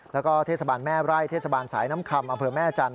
แล้วก็เทศบาลแม่ไร่เทศบาลสายน้ำคำอำเภอแม่จันท